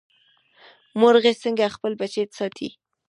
مورغۍ څنګه خپل بچي ساتي؟